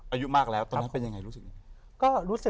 อายุมากแล้วตอนนั้นเป็นยังไงรู้สึกยังไง